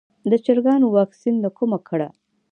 د چرګانو واکسین له کومه کړم؟